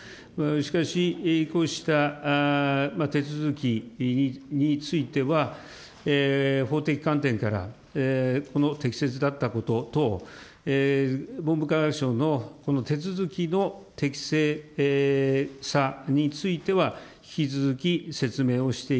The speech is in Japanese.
しかし、こうした手続きについては、法的観点からこの適切だったこと等、文部科学省のこの手続きの適正さについては、引き続き説明をして